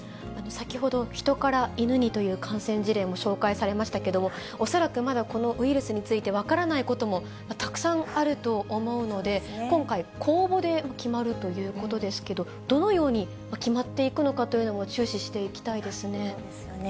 先ほど、ヒトからイヌにという感染事例も紹介されましたけれども、恐らくまだこのウイルスについては分からないこともたくさんあると思うので、今回、公募で決まるということですけど、どのように決まっていくのかというのも注視していきたいですね。